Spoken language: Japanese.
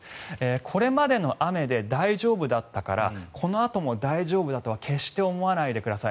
これまでの雨で大丈夫だったからこのあとも大丈夫だとは決して思わないでください。